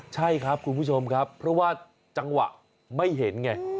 ใช่ครับคุณผู้ชมครับเพราะว่าจังหวะไม่เห็นไง